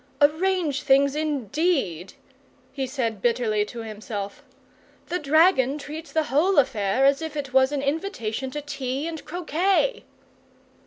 "Arrange things indeed!" he said bitterly to himself. "The dragon treats the whole affair as if it was an invitation to tea and croquet."